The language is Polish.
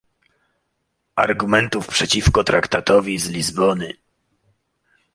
argumentów przeciwko traktatowi z Lizbony